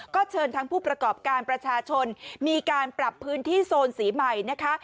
ก็เชิญทั้งผู้ประกอบการประชาชนมีการปรับพื้นที่โซนสีใหม่นะคะ